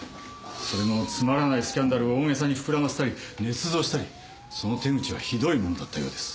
それもつまらないスキャンダルを大げさに膨らませたり捏造したりその手口はひどいものだったようです。